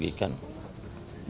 jadi kita harus menghukumkan